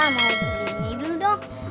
mau beli ini dulu dong